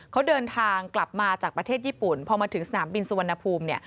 เขาเดินทางกลับมาจากประเทศญี่ปุ่นพอมาถึงสนามบินสุวรรณภูมิเนี่ย